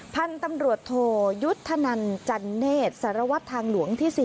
พันธุ์ตำรวจโทยุทธนันจันเนธสารวัตรทางหลวงที่๔